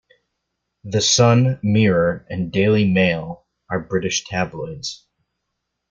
The Sun, Mirror and Daily Mail are British tabloids.